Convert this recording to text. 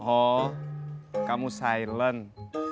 oh kamu silent